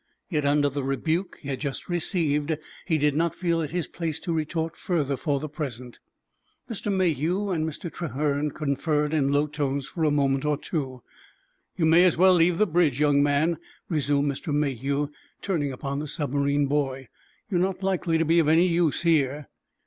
Yet, under the rebuke he had just received, he did not feel it his place to retort further for the present. Mr. Mayhew and Mr. Trahern conferred in low tones for a moment or two. "You may as well leave the bridge, young man," resumed Mr. Mayhew, turning upon the submarine boy. "You are not likely to be of any use here."